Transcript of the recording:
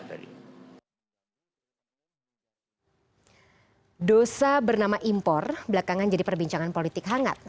dosa bernama impor belakangan jadi perbincangan politik hangat